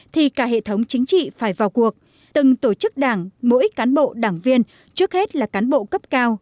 thì cả hệ thống chính trị phải vào cuộc từng tổ chức đảng mỗi cán bộ đảng viên trước hết là cán bộ cấp cao